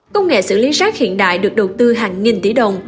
công nghệ xử lý rác hiện đại được đầu tư hàng nghìn tỷ đồng